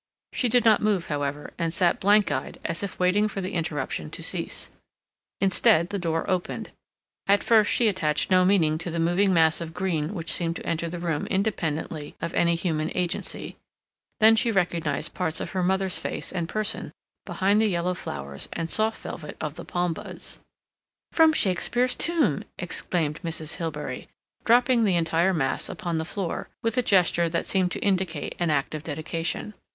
She did not move, however, and sat blank eyed as if waiting for the interruption to cease. Instead, the door opened. At first, she attached no meaning to the moving mass of green which seemed to enter the room independently of any human agency. Then she recognized parts of her mother's face and person behind the yellow flowers and soft velvet of the palm buds. "From Shakespeare's tomb!" exclaimed Mrs. Hilbery, dropping the entire mass upon the floor, with a gesture that seemed to indicate an act of dedication.